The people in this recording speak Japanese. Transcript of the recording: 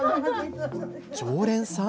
常連さん？